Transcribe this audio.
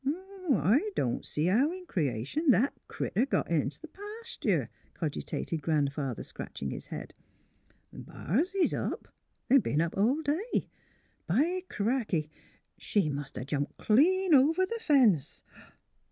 " I don't see how in creation that critter got int' th' pastur'," cogitated Grandfather, scratch ing his head. ''Bars is up — b 'en up all day. By cracky! She must 'a' jumped clean over the fence